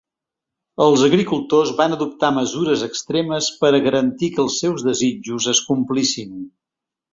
Els agricultors van adoptar mesures extremes per a garantir que els seus desitjos es complissin.